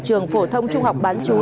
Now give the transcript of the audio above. trường phổ thông trung học bán chú